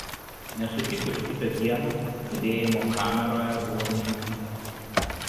Nesutikus kitą dieną kalėjimo kameroje buvo nužudytas.